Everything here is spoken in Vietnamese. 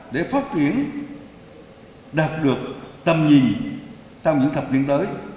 để phát triển doanh nghiệp